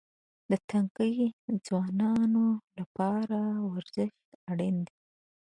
د تنکي ځوانانو لپاره ورزش اړین دی.